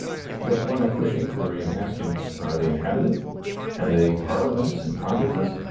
But when I push inquiry and ask him, Are they inhabited ? have they parliaments and congresses.